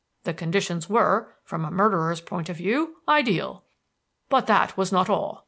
The conditions were, from a murderer's point of view, ideal. "But that was not all.